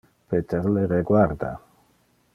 Peter le reguarda.